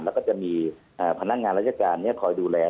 แล้วก็จะมีพนักงานราชการคอยดูแล